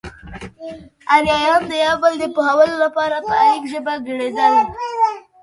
اريايان د يو بل د پوهولو لپاره په اريک ژبه ګړېدل.